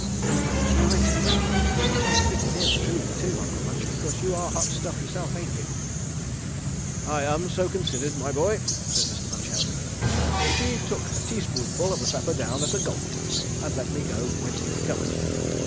'" "That was fine," said Diavolo. "You told pretty near the truth, too, Uncle Munch, because you are hot stuff yourself, ain't you?" "I am so considered, my boy," said Mr. Munchausen. "The chief took a teaspoonful of the pepper down at a gulp, and let me go when he recovered.